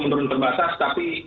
menurun terbatas tapi